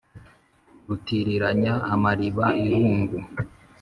rutiriranya amariba irungu,